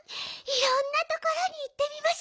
いろんなところにいってみましょうよ。